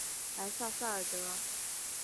莱瑟萨尔德。